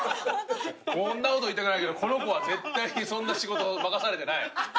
こんなこと言いたくないけどこの子は絶対にそんな仕事は任されてない。